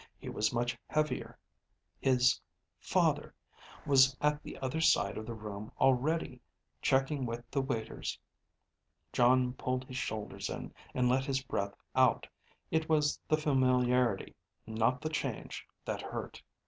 He was much heavier. His father was at the other side of the room already, checking with the waiters. Jon pulled his shoulders in, and let his breath out. It was the familiarity, not the change, that hurt.